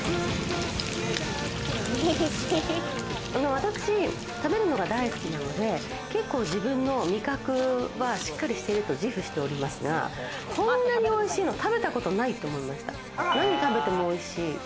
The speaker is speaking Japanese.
私食べるのが大好きなので結構自分の味覚は、しっかりしてると自負しておりますが、こんなにおいしいの食べたことないと思いました。